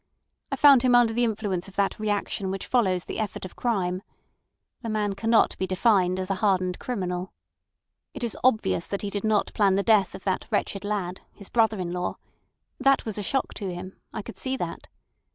I found him under the influence of that reaction which follows the effort of crime. The man cannot be defined as a hardened criminal. It is obvious that he did not plan the death of that wretched lad—his brother in law. That was a shock to him—I could see that.